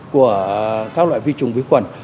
của các loại vi trùng vi khuẩn